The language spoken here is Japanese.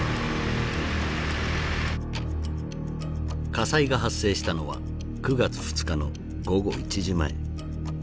火災が発生したのは９月２日の午後１時前。